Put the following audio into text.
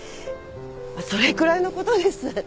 それくらいのことです。